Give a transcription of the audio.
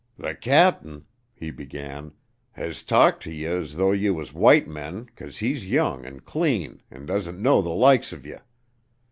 "Th' cap'n," he began, "has talked to ye as though ye was white men 'cause he's young and clean an' doesn't know the likes of ye.